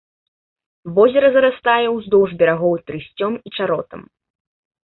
Возера зарастае ўздоўж берагоў трысцём і чаротам.